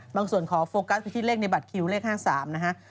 บางส่วนขอโฟกัสที่เลขในบัตรคิวเลข๕๓นะฮะ